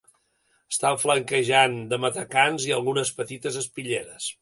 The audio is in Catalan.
Està flanquejat de matacans i algunes petites espitlleres.